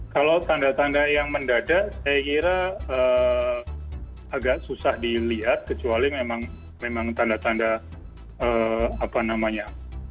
kalau tanda tanda yang mendadak saya kira agak susah dilihat kecuali memang tanda tanda apa namanya